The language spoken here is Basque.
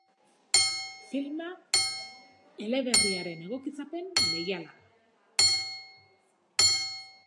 Filma eleberriaren egokitzapen leiala da.